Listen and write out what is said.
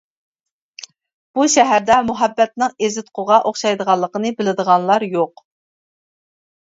بۇ شەھەردە مۇھەببەتنىڭ ئېزىتقۇغا ئوخشايدىغانلىقىنى بىلىدىغانلار يوق.